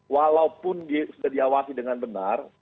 walaupun sudah diawasi dengan benar